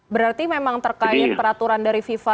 berarti memang terkait peraturan dari fifa